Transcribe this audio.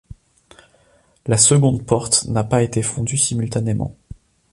La seconde porte n'a pas été fondue simultanément.